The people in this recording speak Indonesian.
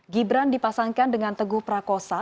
gibran dipasangkan dengan teguh prakosa